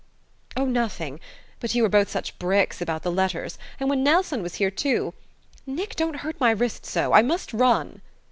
"Oh, nothing... But you were both such bricks about the letters.... And when Nelson was here, too.... Nick, don't hurt my wrist so! I must run!"